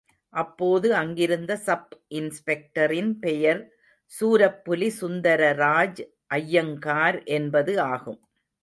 அப்போது அங்கிருந்த சப் இன்ஸ்பெக்டரின் பெயர் சூரப்புலி சுந்தரராஜ் ஐயங்கார் என்பது ஆகும்.